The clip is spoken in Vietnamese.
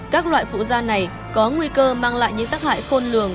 các loại phụ da này có nguy cơ mang lại những tác hại khôn lường